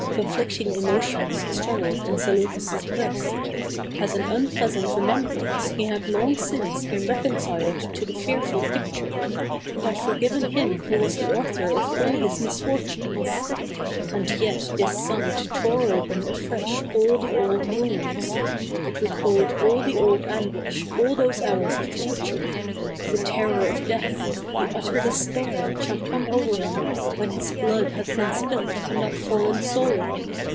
Conflicting emotions struggled in Zaleukos' breast. As an unpleasant remembrance he had long since been reconciled to the fearful picture, and had forgiven him who was the author of all There 224 THE CAB AVAN. his misfortunes ; and yet this sight tore open afresh all the old wounds; it recalled all the old anguish, all those hours of torture — the terror of death, the utter despair which had come over him when his blood had been spilt on that foreign soil.